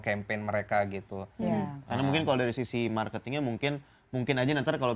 campaign mereka gitu karena mungkin kalau dari sisi marketingnya mungkin mungkin aja nanti kalau